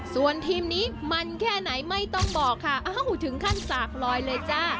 ส่วนทีมนี้มันแค่ไหนไม่ต้องบอกค่ะอ้าวถึงขั้นสากลอยเลยจ้า